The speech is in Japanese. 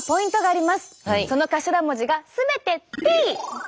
その頭文字が全てＴ！